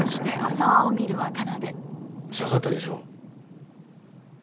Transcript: つらかったでしょ？